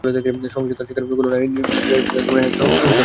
সহিংসতার শিকার কোনো নারী বিচার চাইতে গেলে তাঁকে নানাভাবে হেনস্তা হতে হয়।